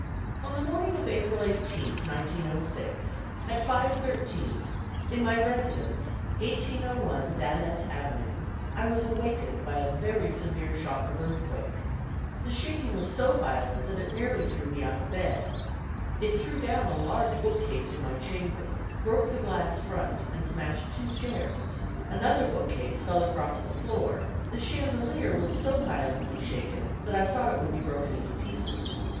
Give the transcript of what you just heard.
On the morning of April 18, 1906, at 5:13, in my residence, 1801 Van Ness Avenue, I was awakened by a very severe shock of earthquake. The shaking was so violent that it nearly threw me out of bed. It threw down a large bookcase in my chamber, broke the glass front, and smashed two chairs; another bookcase fell across the floor; the chandelier was so violently shaken that I thought it would be broken into pieces.